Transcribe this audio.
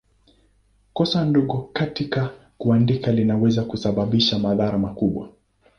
Kosa dogo katika kuandika linaweza kusababisha madhara makubwa.